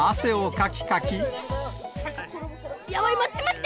やばい、待って、待って！